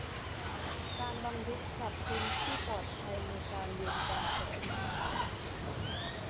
การบันทึกกับพื้นที่ปลอดภัยในการเรียนการสอน